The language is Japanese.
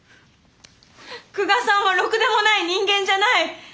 久我さんはろくでもない人間じゃない！